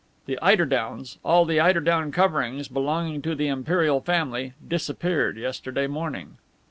The eider downs, all the eider down coverings belonging to the imperial family disappeared yesterday morning."